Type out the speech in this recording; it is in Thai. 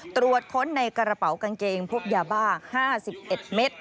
ตรวจค้นในกระเป๋ากางเกงพบยาบ้า๕๑เมตร